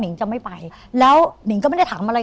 หญิงจะไม่ไปแล้วหนิงก็ไม่ได้ถามอะไร